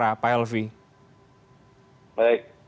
apa yang diungkap dalam gelar perkara pak helvi